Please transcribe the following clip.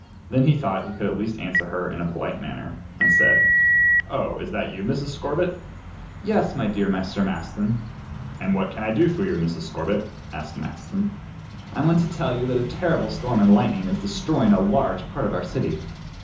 Then he thought he should at least answer her in a polite manner, and said: "Oh, is that you, Mrs. Scorbitt?" "Yes, dear Mr. Maston." "And what can I do for Mrs. Scorbitt?" asked Maston. "I want to tell you that a terrible storm and lightning is destroying a large part of our city."